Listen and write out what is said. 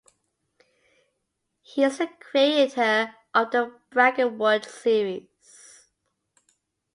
He is the creator of the Brackenwood series.